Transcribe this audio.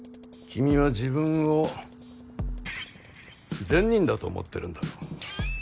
君は自分を善人だと思ってるんだろう。